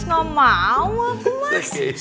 nggak mau aku mas